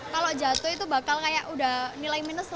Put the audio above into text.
kalau jatuh itu bakal kayak udah nilai minus